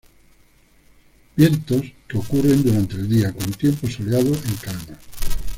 Vientos que ocurren durante el día, con tiempo soleado en calma.